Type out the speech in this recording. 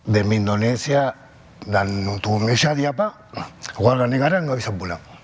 dari indonesia dan indonesia warga negara nggak bisa pulang